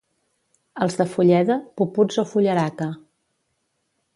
Els de Fulleda, puputs o fullaraca.